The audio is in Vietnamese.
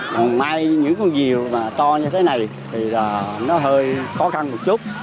mà mai những con diều to như thế này thì nó hơi khó khăn một chút